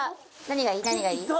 何がいい？